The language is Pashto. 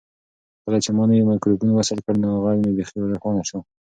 کله چې ما نوی مایکروفون وصل کړ نو غږ مې بیخي روښانه شو.